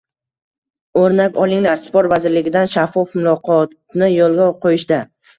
O‘rnak olinglar sport vazirligidan shaffof muloqotni yo‘lga qo‘yishda.